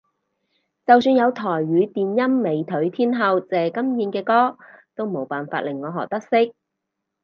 就算有台語電音美腿天后謝金燕嘅歌都冇辦法令我學得識